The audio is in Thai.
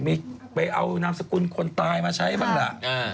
มีไปเอานามสกุลคนตายมาใช้บ้างล่ะ